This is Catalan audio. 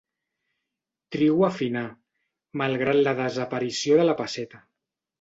Trigo a finar, malgrat la desaparició de la pesseta.